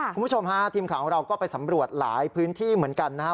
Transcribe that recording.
คุณผู้ชมฮะทีมข่าวของเราก็ไปสำรวจหลายพื้นที่เหมือนกันนะครับ